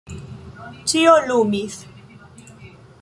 Ĉio lumis.